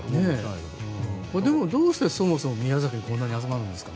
どうしてそもそも宮崎にこんなに集まるんですかね？